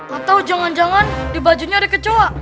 atau jangan jangan di bajunya ada kecoa